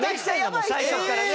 もう最初からね。